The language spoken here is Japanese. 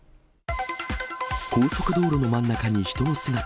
高速道路の真ん中に人の姿。